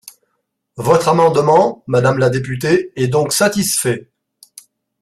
Votre amendement, madame la députée, est donc satisfait.